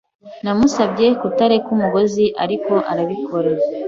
Namusabye kutareka umugozi, ariko arabikora.